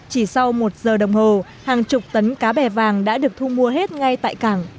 chỉ sau một giờ đồng hồ hàng chục tấn cá bè vàng đã được thu mua hết ngay tại cảng